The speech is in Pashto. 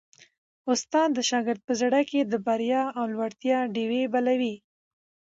استاد د شاګرد په زړه کي د بریا او لوړتیا ډېوې بلوي.